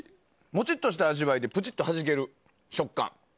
モチッとした味わいでプチっとはじける食感。